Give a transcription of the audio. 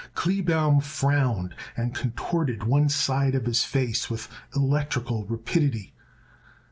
Kleebaum frowned and contorted one side of his face with electrical rapidity.